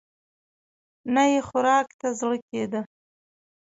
نه يې خوراک ته زړه کېده.